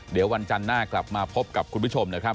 เดี๋ยววันจันทร์หน้ากลับมาพบกับคุณผู้ชมนะครับ